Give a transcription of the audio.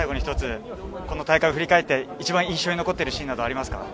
大会を振り返って、一番印象に残っているシーンはありますか？